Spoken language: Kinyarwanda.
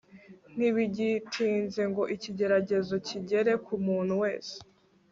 Ntibigitinze ngo ikigeragezo kigere ku muntu wese